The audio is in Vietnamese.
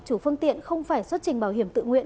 chủ phương tiện không phải xuất trình bảo hiểm tự nguyện